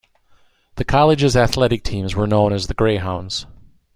The college's athletic teams were known as the Greyhounds.